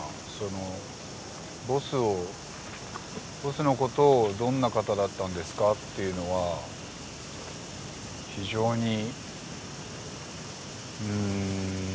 ボスをボスのことをどんな方だったんですかっていうのは非常にうん。